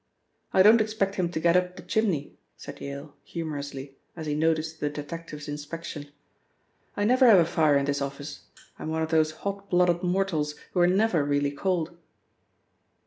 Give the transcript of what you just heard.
"I don't expect him to get up the chimney," said Yale, humorously, as he noticed the detective's inspection, "I never have a fire in this office; I'm one of those hot blooded mortals who are never really cold."